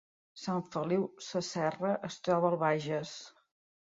Sant Feliu Sasserra es troba al Bages